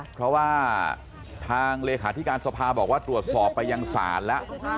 เพราะว่าทางเลขาธิการสภาบอกว่าตรวจสอบไปยังศาลแล้ว